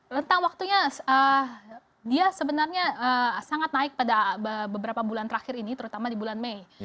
rentang waktunya dia sebenarnya sangat naik pada beberapa bulan terakhir ini terutama di bulan mei